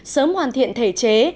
sớm hoàn thiện thể chế